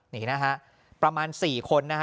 นี่นะฮะประมาณ๔คนนะฮะ